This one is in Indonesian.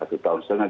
satu tahun setengah